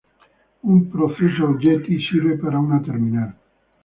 Un proceso getty sirve para una terminal.